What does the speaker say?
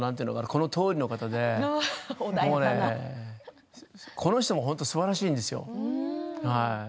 このとおりの方でこの人も、すばらしいんですよ。